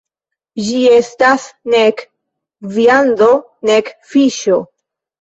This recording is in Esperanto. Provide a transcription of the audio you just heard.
Ĝi estas nek viando, nek fiŝo.